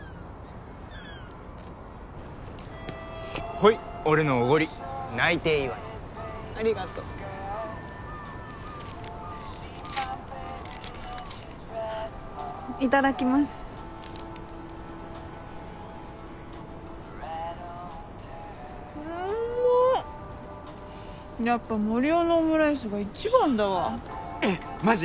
ほい俺のおごり内定祝いありがとういただきますうんまっやっぱ森生のオムライスが一番だわえっマジ！？